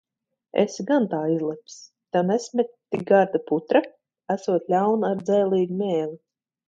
Esi gan tā izlepis. Tev nesmeķ tik garda putra? Esot ļauna, ar dzēlīgu mēli.